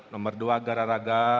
nomor dua gara raga